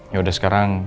ya udah sekarang